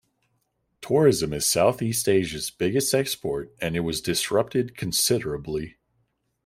Tourism is South-East Asia's biggest export and it was disrupted considerably.